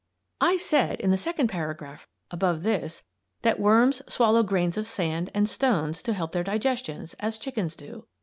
I said, in the second paragraph above this, that worms swallow grains of sand and stones to help their digestions, as chickens do.